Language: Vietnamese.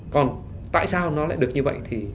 còn tại sao nó lại được như vậy thì